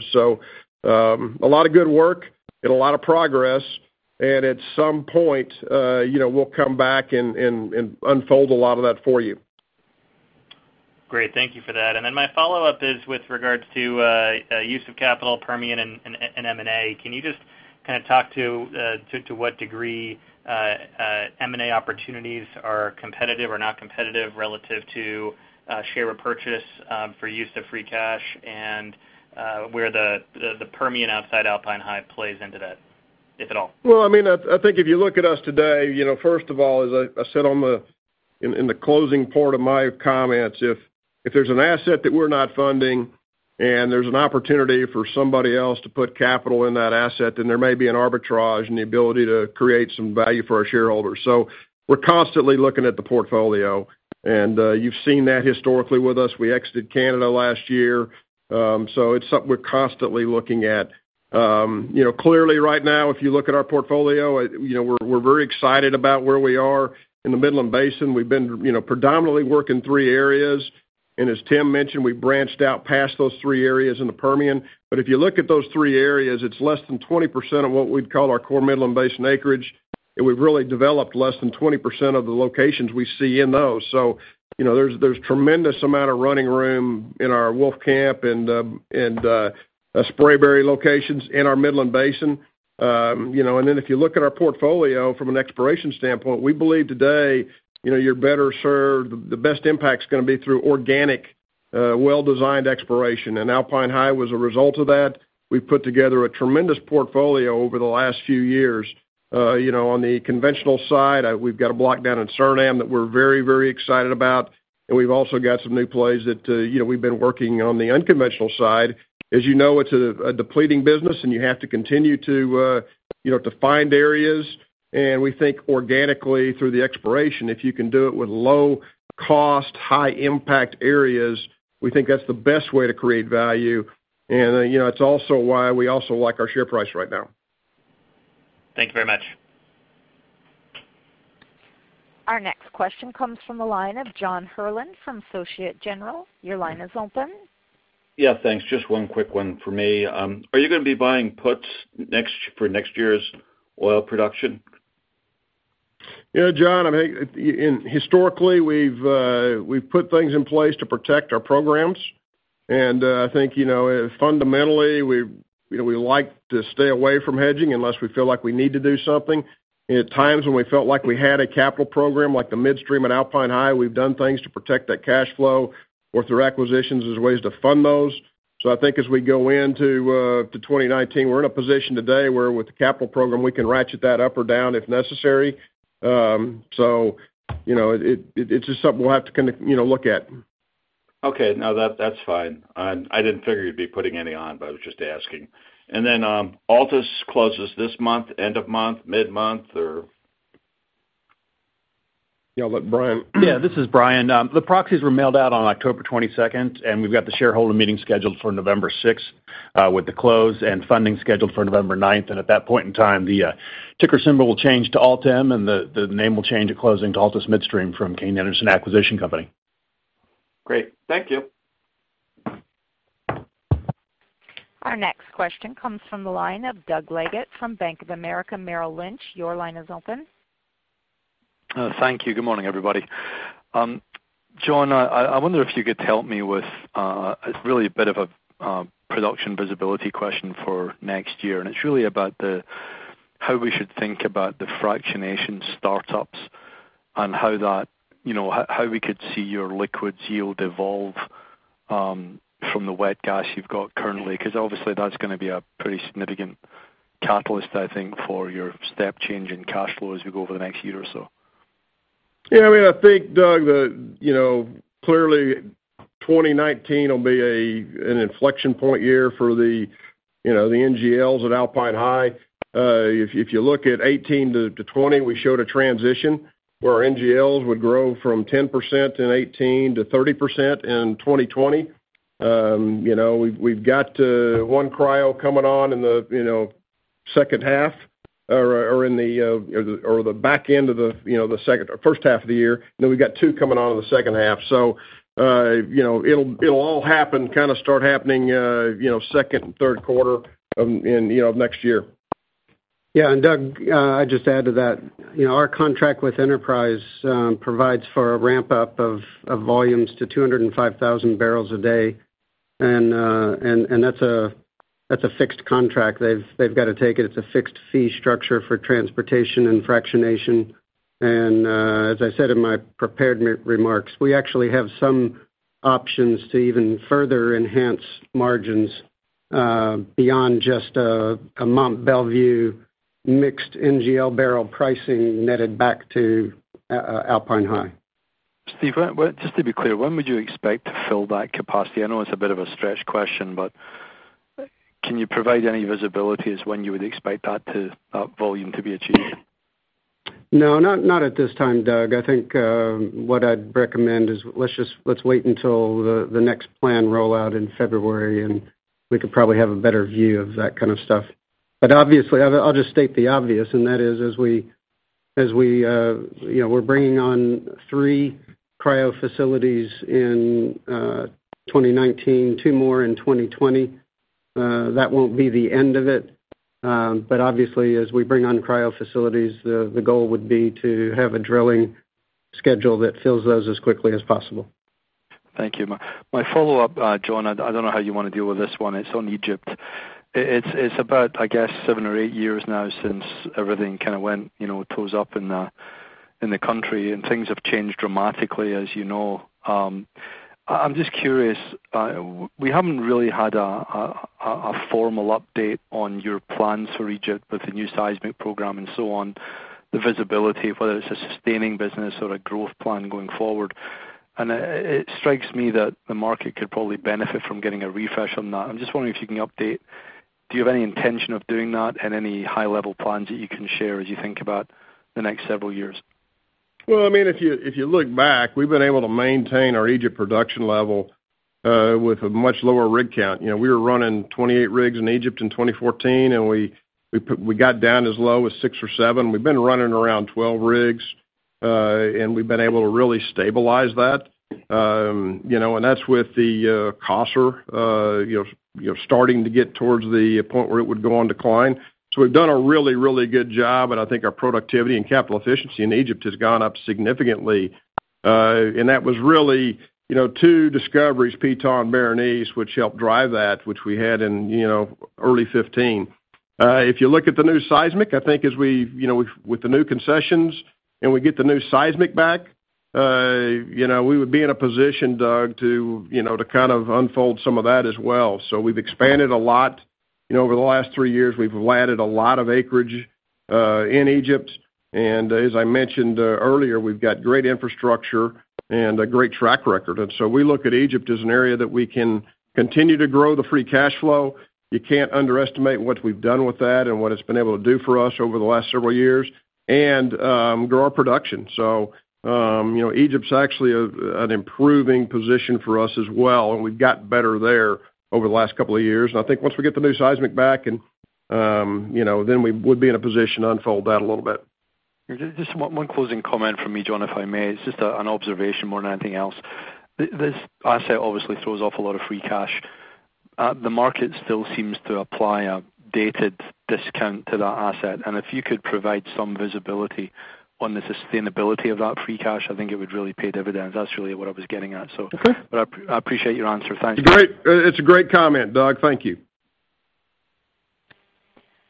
A lot of good work and a lot of progress. At some point, we'll come back and unfold a lot of that for you. Great. Thank you for that. My follow-up is with regards to use of capital, Permian, and M&A. Can you just kind of talk to what degree M&A opportunities are competitive or not competitive relative to share repurchase for use of free cash and where the Permian outside Alpine High plays into that, if at all? Well, I think if you look at us today, first of all, as I said in the closing part of my comments, if there's an asset that we're not funding and there's an opportunity for somebody else to put capital in that asset, then there may be an arbitrage and the ability to create some value for our shareholders. We're constantly looking at the portfolio, and you've seen that historically with us. We exited Canada last year. It's something we're constantly looking at. Clearly right now, if you look at our portfolio, we're very excited about where we are in the Midland Basin. We've been predominantly working three areas. As Tim mentioned, we branched out past those three areas in the Permian. If you look at those three areas, it's less than 20% of what we'd call our core Midland Basin acreage, and we've really developed less than 20% of the locations we see in those. There's tremendous amount of running room in our Wolfcamp and Spraberry locations in our Midland Basin. If you look at our portfolio from an exploration standpoint, we believe today you're better served, the best impact's going to be through organic, well-designed exploration. Alpine High was a result of that. We've put together a tremendous portfolio over the last few years. On the conventional side, we've got a block down in Suriname that we're very excited about, and we've also got some new plays that we've been working on the unconventional side. As you know, it's a depleting business, and you have to continue to find areas. We think organically, through the exploration, if you can do it with low-cost, high-impact areas, we think that's the best way to create value. It's also why we also like our share price right now. Thank you very much. Our next question comes from the line of John Freeman from Societe Generale. Your line is open. Yeah, thanks. Just one quick one for me. Are you going to be buying puts for next year's oil production? Yeah, John, historically, we've put things in place to protect our programs. I think fundamentally, we like to stay away from hedging unless we feel like we need to do something. At times when we felt like we had a capital program like the midstream at Alpine High, we've done things to protect that cash flow or through acquisitions as ways to fund those. I think as we go into 2019, we're in a position today where with the capital program, we can ratchet that up or down if necessary. It's just something we'll have to look at. Okay. No, that's fine. I didn't figure you'd be putting any on, but I was just asking. Altus closes this month, end of month, mid-month, or? Yeah. Brian? Yeah, this is Brian. The proxies were mailed out on October 22nd, we've got the shareholder meeting scheduled for November 6th, with the close and funding scheduled for November 9th. At that point in time, the ticker symbol will change to ALTM, and the name will change at closing to Altus Midstream from Kayne Anderson Acquisition Corp.. Great. Thank you. Our next question comes from the line of Doug Leggate from Bank of America Merrill Lynch. Your line is open. Thank you. Good morning, everybody. John, I wonder if you could help me with, it's really a bit of a production visibility question for next year, it's really about how we should think about the fractionation startups and how we could see your liquids yield evolve from the wet gas you've got currently. Obviously that's going to be a pretty significant catalyst, I think, for your step change in cash flow as we go over the next year or so. Yeah. I think, Doug, clearly 2019 will be an inflection point year for the NGLs at Alpine High. If you look at 2018 to 2020, we showed a transition where our NGLs would grow from 10% in 2018 to 30% in 2020. We've got one cryogenic coming on in the second half or the back end of the first half of the year. We've got two coming on in the second half. It'll all happen, kind of start happening second and third quarter of next year. Yeah. Doug, I'd just add to that. Our contract with Enterprise provides for a ramp-up of volumes to 205,000 barrels a day, that's a fixed contract. They've got to take it. It's a fixed-fee structure for transportation and fractionation. As I said in my prepared remarks, we actually have some options to even further enhance margins beyond just a Mont Belvieu mixed NGL barrel pricing netted back to Alpine High. Steve, just to be clear, when would you expect to fill that capacity? I know it's a bit of a stretch question, can you provide any visibility as when you would expect that volume to be achieved? No, not at this time, Doug. I think what I'd recommend is let's wait until the next plan rollout in February, we could probably have a better view of that kind of stuff. Obviously, I'll just state the obvious, and that is, as we're bringing on 3 cryogenic facilities in 2019, 2 more in 2020, that won't be the end of it. Obviously, as we bring on cryogenic facilities, the goal would be to have a drilling schedule that fills those as quickly as possible. Thank you. My follow-up, John, I don't know how you want to deal with this one. It's on Egypt. It's about, I guess, seven or eight years now since everything kind of went toes up in the country, things have changed dramatically, as you know. I'm just curious. We haven't really had a formal update on your plans for Egypt with the new seismic program and so on, the visibility of whether it's a sustaining business or a growth plan going forward. It strikes me that the market could probably benefit from getting a refresh on that. I'm just wondering if you can update, do you have any intention of doing that and any high-level plans that you can share as you think about the next several years? Well, if you look back, we've been able to maintain our Egypt production level with a much lower rig count. We were running 28 rigs in Egypt in 2014, we got down as low as six or seven. We've been running around 12 rigs, we've been able to really stabilize that. That's with the Qasr starting to get towards the point where it would go on decline. We've done a really good job, I think our productivity and capital efficiency in Egypt has gone up significantly. That was really two discoveries, Ptah and Berenice, which helped drive that, which we had in early 2015. If you look at the new seismic, I think with the new concessions and we get the new seismic back, we would be in a position, Doug, to unfold some of that as well. We've expanded a lot over the last three years. We've added a lot of acreage, in Egypt. As I mentioned earlier, we've got great infrastructure and a great track record. We look at Egypt as an area that we can continue to grow the free cash flow. You can't underestimate what we've done with that and what it's been able to do for us over the last several years and grow our production. Egypt's actually an improving position for us as well, we've got better there over the last couple of years. I think once we get the new seismic back, we would be in a position to unfold that a little bit. Just one closing comment from me, John, if I may. It's just an observation more than anything else. This asset obviously throws off a lot of free cash. The market still seems to apply a dated discount to that asset, and if you could provide some visibility on the sustainability of that free cash, I think it would really pay dividends. That's really what I was getting at. Okay. I appreciate your answer. Thanks. It's a great comment, Doug. Thank you.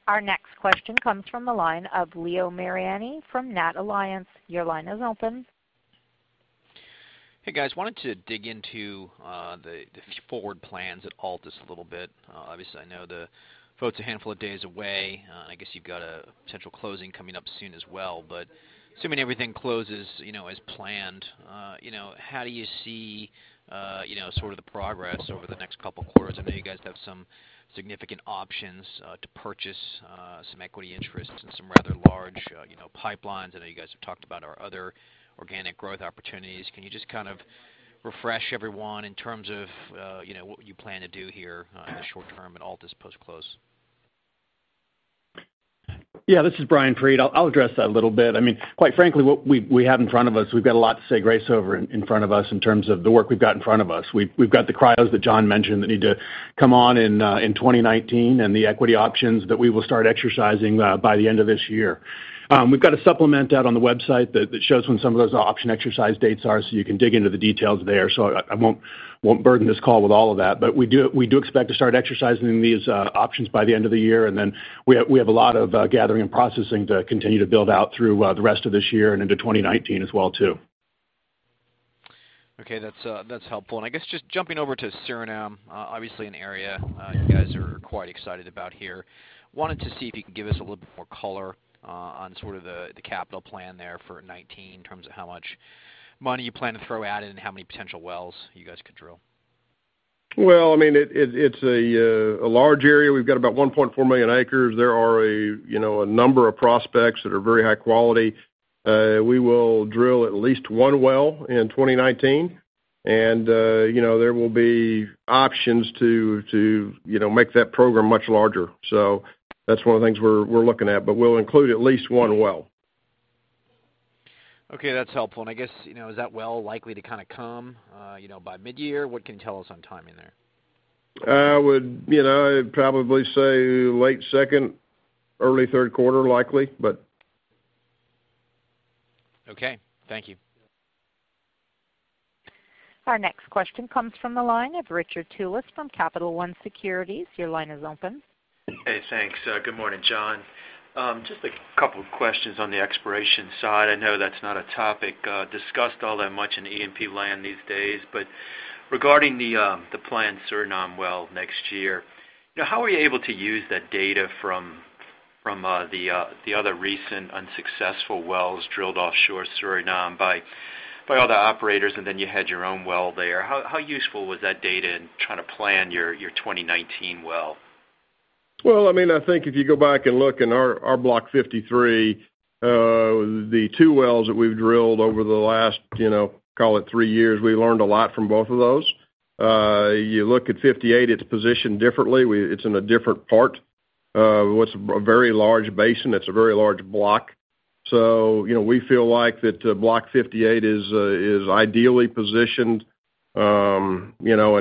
Our next question comes from the line of Leo Mariani from NatAlliance Securities. Your line is open. Hey, guys, wanted to dig into the forward plans at Altus a little bit. Obviously, I know the vote's a handful of days away. I guess you've got a potential closing coming up soon as well. Assuming everything closes as planned, how do you see sort of the progress over the next couple quarters? I know you guys have some significant options to purchase some equity interests in some rather large pipelines. I know you guys have talked about our other organic growth opportunities. Can you just kind of refresh everyone in terms of what you plan to do here in the short term at Altus post-close? Yeah. This is Brian Freed. I'll address that a little bit. Quite frankly, what we have in front of us, we've got a lot to say grace over in front of us in terms of the work we've got in front of us. We've got the cryos that John mentioned that need to come on in 2019, and the equity options that we will start exercising by the end of this year. We've got a supplement out on the website that shows when some of those option exercise dates are, so you can dig into the details there. I won't burden this call with all of that. We do expect to start exercising these options by the end of the year. We have a lot of gathering and processing to continue to build out through the rest of this year and into 2019 as well, too. Okay. That's helpful. I guess just jumping over to Suriname, obviously an area you guys are quite excited about here. Wanted to see if you could give us a little bit more color on sort of the capital plan there for 2019 in terms of how much money you plan to throw at it and how many potential wells you guys could drill. Well, it's a large area. We've got about 1.4 million acres. There are a number of prospects that are very high quality. We will drill at least one well in 2019, and there will be options to make that program much larger. That's one of the things we're looking at, but we'll include at least one well. Okay. That's helpful. I guess, is that well likely to come by mid-year? What can you tell us on timing there? I would probably say late second, early third quarter likely. Okay. Thank you. Our next question comes from the line of Richard Tullis from Capital One Securities. Your line is open. Hey, thanks. Good morning, John. Just a couple of questions on the exploration side. I know that's not a topic discussed all that much in E&P land these days. Regarding the planned Suriname well next year, how are you able to use that data from the other recent unsuccessful wells drilled offshore Suriname by other operators, and then you had your own well there? How useful was that data in trying to plan your 2019 well? Well, I think if you go back and look in our Block 53, the two wells that we've drilled over the last, call it three years, we learned a lot from both of those. You look at 58, it's positioned differently. It's in a different part. It's a very large basin. It's a very large block. We feel like that Block 58 is ideally positioned,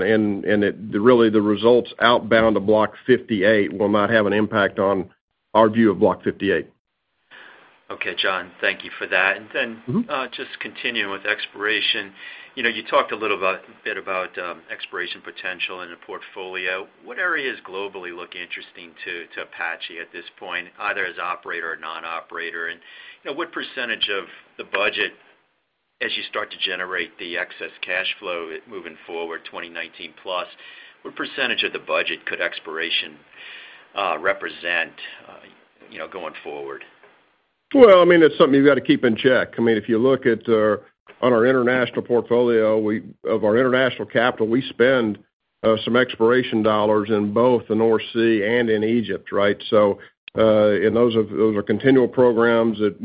and really the results outbound of Block 58 will not have an impact on our view of Block 58. Okay, John. Thank you for that. Then just continuing with exploration. You talked a little bit about exploration potential in the portfolio. What areas globally look interesting to Apache at this point, either as operator or non-operator? What % of the budget as you start to generate the excess cash flow moving forward 2019 plus, what % of the budget could exploration represent going forward? It's something you've got to keep in check. If you look at our international portfolio of our international capital, we spend some exploration dollars in both the North Sea and in Egypt, right? Those are continual programs that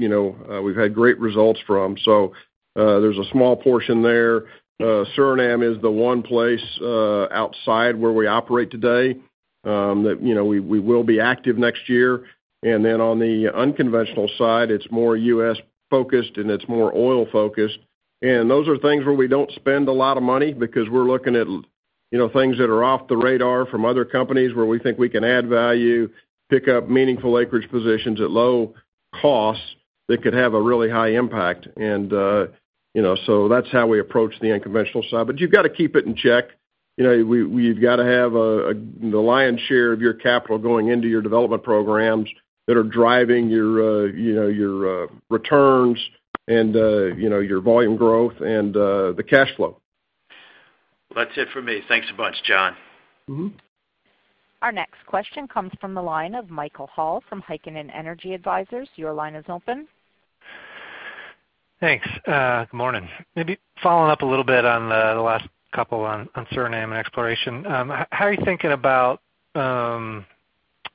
we've had great results from. There's a small portion there. Suriname is the one place outside where we operate today that we will be active next year. On the unconventional side, it's more U.S.-focused and it's more oil-focused. Those are things where we don't spend a lot of money because we're looking at things that are off the radar from other companies where we think we can add value, pick up meaningful acreage positions at low cost that could have a really high impact. That's how we approach the unconventional side. You've got to keep it in check. We've got to have the lion's share of your capital going into your development programs that are driving your returns and your volume growth and the cash flow. That's it for me. Thanks a bunch, John. Our next question comes from the line of Michael Hall from Heikkinen Energy Advisors. Your line is open. Thanks. Good morning. Maybe following up a little bit on the last couple on Suriname and exploration. How are you thinking about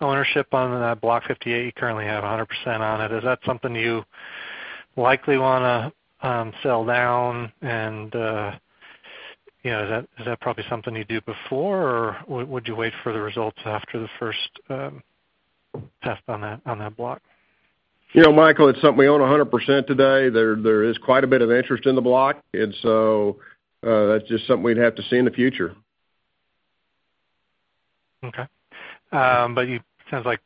ownership on that Block 58? You currently have 100% on it. Is that something you likely want to sell down and is that probably something you'd do before or would you wait for the results after the first test on that block? Michael, it's something we own 100% today. There is quite a bit of interest in the block, that's just something we'd have to see in the future. Okay. It sounds like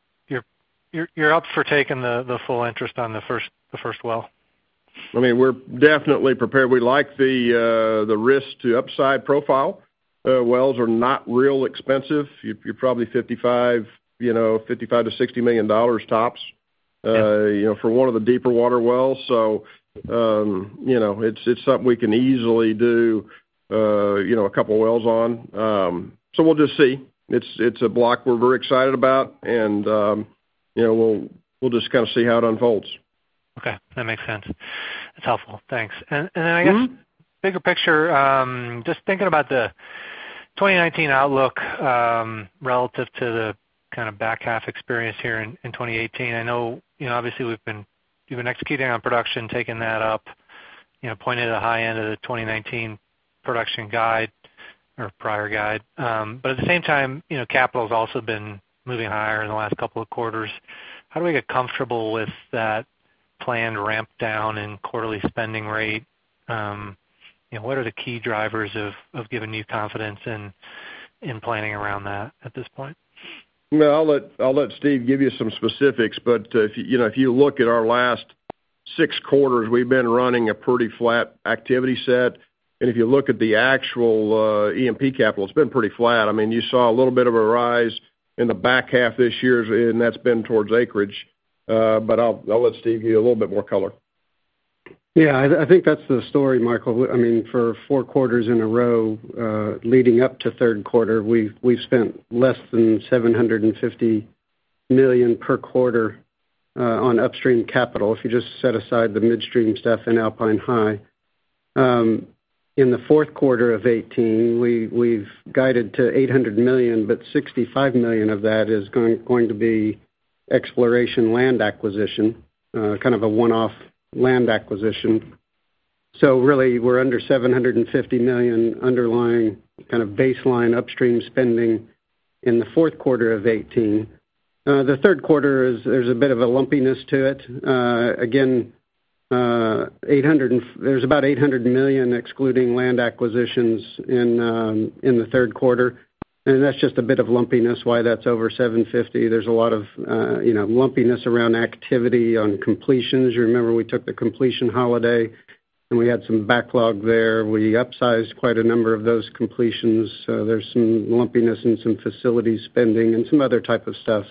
you're up for taking the full interest on the first well. We're definitely prepared. We like the risk to upside profile. Wells are not real expensive. You're probably $55 million-$60 million tops- Yeah for one of the deeper water wells. It's something we can easily do a couple of wells on. We'll just see. It's a block we're very excited about, and we'll just kind of see how it unfolds. Okay, that makes sense. That's helpful. Thanks. Bigger picture, just thinking about the 2019 outlook relative to the kind of back half experience here in 2018. I know, obviously you've been executing on production, taking that up, pointing at the high end of the 2019 production guide or prior guide. At the same time, capital's also been moving higher in the last couple of quarters. How do we get comfortable with that planned ramp down in quarterly spending rate? What are the key drivers of giving you confidence in planning around that at this point? No, I'll let Steve give you some specifics, if you look at our last six quarters, we've been running a pretty flat activity set, and if you look at the actual E&P capital, it's been pretty flat. You saw a little bit of a rise in the back half this year, and that's been towards acreage. I'll let Steve give you a little bit more color. Yeah, I think that's the story, Michael. For four quarters in a row leading up to third quarter, we've spent less than $750 million per quarter on upstream capital, if you just set aside the midstream stuff in Alpine High. In the fourth quarter of 2018, we've guided to $800 million, but $65 million of that is going to be exploration land acquisition, kind of a one-off land acquisition. Really, we're under $750 million underlying kind of baseline upstream spending in the fourth quarter of 2018. The third quarter, there's a bit of a lumpiness to it. Again, there's about $800 million excluding land acquisitions in the third quarter, and that's just a bit of lumpiness why that's over $750. There's a lot of lumpiness around activity on completions. You remember we took the completion holiday, and we had some backlog there. We upsized quite a number of those completions. There's some lumpiness in some facility spending and some other type of stuff.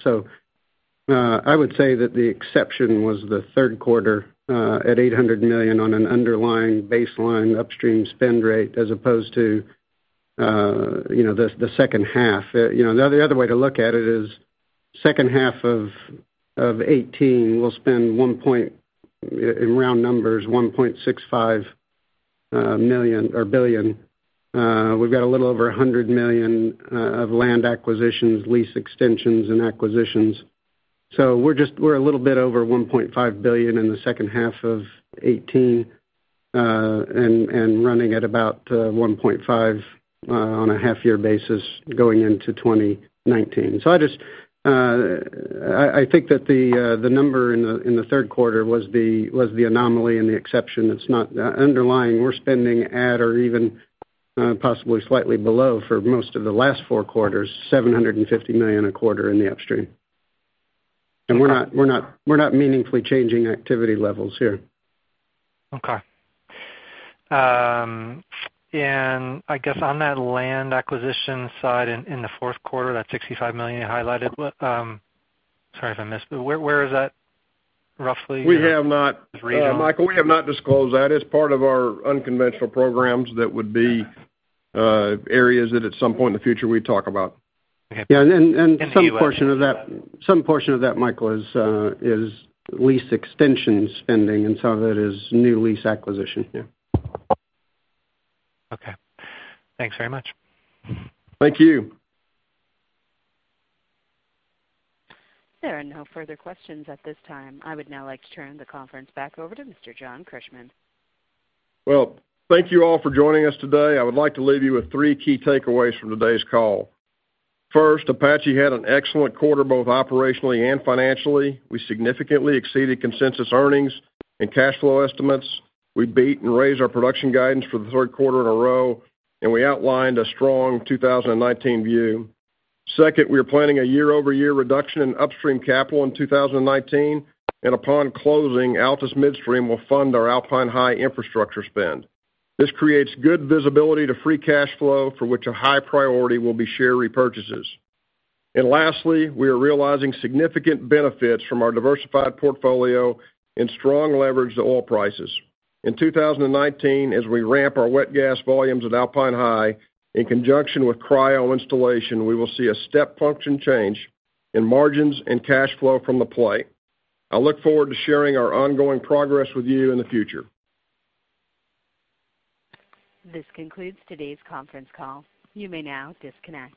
I would say that the exception was the third quarter at $800 million on an underlying baseline upstream spend rate as opposed to the second half. The other way to look at it is second half of 2018, we'll spend, in round numbers, $1.65 billion. We've got a little over $100 million of land acquisitions, lease extensions, and acquisitions. We're a little bit over $1.5 billion in the second half of 2018 and running at about $1.5 billion on a half-year basis going into 2019. I think that the number in the third quarter was the anomaly and the exception. Underlying, we're spending at or even possibly slightly below for most of the last four quarters, $750 million a quarter in the upstream. We're not meaningfully changing activity levels here. Okay. I guess on that land acquisition side in the fourth quarter, that $65 million you highlighted, sorry if I missed, but where is that roughly? Michael, we have not disclosed that. It's part of our unconventional programs that would be areas that at some point in the future we'd talk about. Okay. Yeah, some portion of that. Can see why Michael, is lease extension spending, and some of it is new lease acquisition. Yeah. Okay. Thanks very much. Thank you. There are no further questions at this time. I would now like to turn the conference back over to Mr. John Christmann. Well, thank you all for joining us today. I would like to leave you with three key takeaways from today's call. First, Apache had an excellent quarter, both operationally and financially. We significantly exceeded consensus earnings and cash flow estimates. We beat and raised our production guidance for the third quarter in a row, and we outlined a strong 2019 view. Second, we are planning a year-over-year reduction in upstream capital in 2019, and upon closing, Altus Midstream will fund our Alpine High infrastructure spend. This creates good visibility to free cash flow, for which a high priority will be share repurchases. Lastly, we are realizing significant benefits from our diversified portfolio and strong leverage to oil prices. In 2019, as we ramp our wet gas volumes at Alpine High in conjunction with cryogenic installation, we will see a step function change in margins and cash flow from the play. I look forward to sharing our ongoing progress with you in the future. This concludes today's conference call. You may now disconnect.